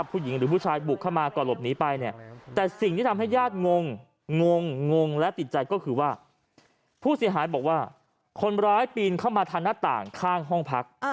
ปีนเข้ามาทางหน้าต่างข้างห้องพัก